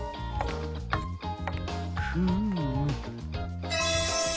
フーム。